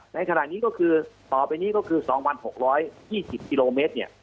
ในขณะนี้ก็คือต่อไปนี้ก็คือ๒๖๒๐กิโลเมตร